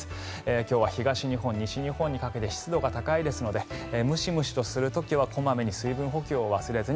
今日は東日本、西日本にかけて湿度が高いのでムシムシとする時は小まめな水分補給を忘れずに。